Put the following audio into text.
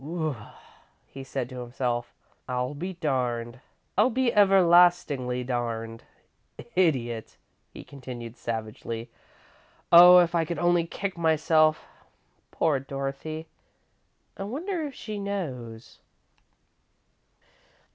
"Whew!" he said to himself. "I'll be darned! I'll be everlastingly darned! Idiot!" he continued, savagely. "Oh, if I could only kick myself! Poor Dorothy! I wonder if she knows!"